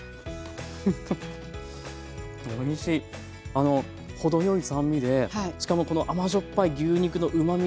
あの程よい酸味でしかもこの甘塩っぱい牛肉のうまみが